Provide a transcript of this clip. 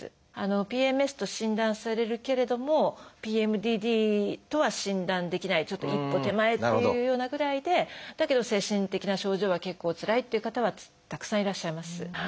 「ＰＭＳ」と診断されるけれども「ＰＭＤＤ」とは診断できないちょっと一歩手前っていうようなぐらいでだけど精神的な症状は結構つらいっていう方はたくさんいらっしゃいます。